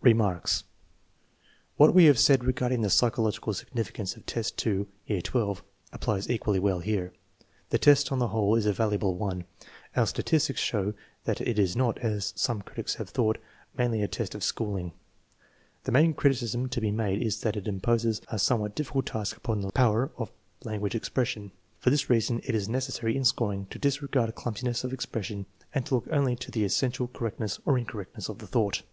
Remarks. What we have said regarding the psychological significance of test 2, year XII, applies equally well here. The test on the whole is a valuable one. Our statistics AVERAGE ADULT, 4 327 show that it is not, as some critics have thought, mainly a test of schooling. The main criticism to be made is that it imposes a some what difficult task upon the power of language expression. For this reason it is necessary in scoring to disregard clum siness of expression and to look only to the essential correct ness or incorrectness of the thought.